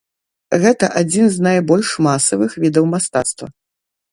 Гэта адзін з найбольш масавых відаў мастацтва.